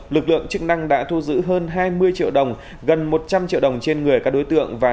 lực lượng chức năng đã thu giữ hơn hai mươi triệu đồng gần một trăm linh triệu đồng trên người các đối tượng và